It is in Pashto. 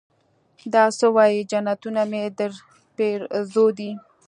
دا سه وايې جنتونه مې درپېرزو دي.